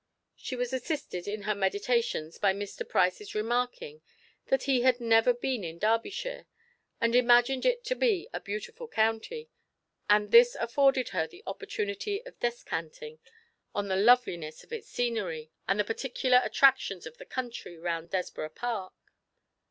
She was assisted in her meditations by Mr. Price's remarking that he had never been in Derbyshire, and imagined it to be a beautiful county, and this afforded her the opportunity of descanting on the loveliness of its scenery and the particular attractions of the country round Desborough Park.